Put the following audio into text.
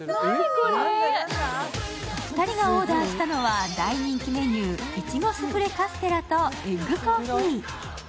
２人がオーダーしたのは大人気メニュー、いちごスフレカステラとエッグコーヒー。